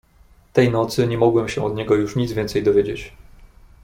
"Tej nocy nie mogłem się od niego już nic więcej dowiedzieć."